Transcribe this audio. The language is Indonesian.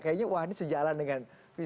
kayaknya wah ini sejalan dengan visi media